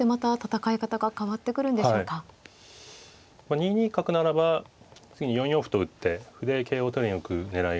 ２二角ならば次に４四歩と打って歩で桂を取りに行く狙いがありますね。